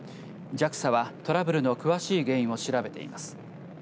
ＪＡＸＡはトラブルの詳しい原因を調べています。